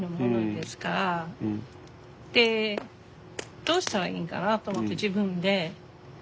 でどうしたらいいんかなと思って自分で。